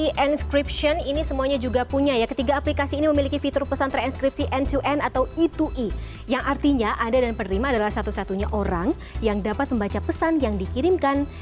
n dua n atau e dua e inscription ini semuanya juga punya ya ketiga aplikasi ini memiliki fitur pesan transkripsi n dua n atau e dua e yang artinya anda dan penerima adalah satu satunya orang yang dapat membaca pesan yang dikirimkan